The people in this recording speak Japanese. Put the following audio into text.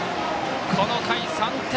この回、３点。